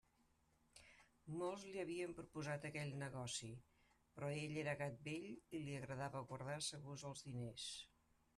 Molts li havien proposat aquell negoci; però ell era gat vell i li agradava guardar segurs els diners.